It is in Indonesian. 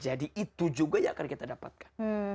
jadi itu juga yang akan kita dapatkan